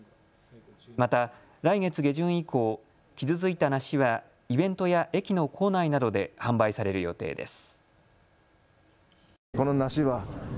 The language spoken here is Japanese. また来月下旬以降、傷ついた梨はイベントや駅の構内などで販売される予定です。